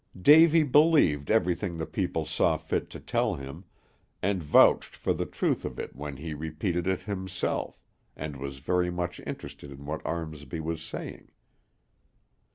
Davy believed everything the people saw fit to tell him, and vouched for the truth of it when he repeated it himself, and was very much interested in what Armsby was saying.